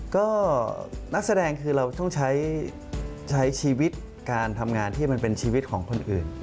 ก็นักแสดงคือเราต้องใช้ชีวิตการทำงานที่มันเป็นชีวิตของคนอื่น